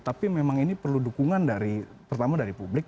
tapi memang ini perlu dukungan dari pertama dari publik